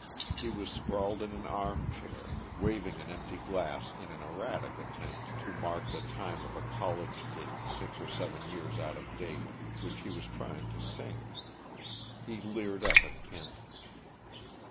He was sprawled in an armchair, waving an empty glass in an erratic attempt to mark the time of a college ditty six or seven years out of date, which he was trying to sing. He leered up at Kent.